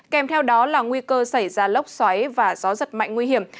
kèm theo đó là nguy cơ xảy ra lốc xoáy và gió giật mạnh nguy hiểm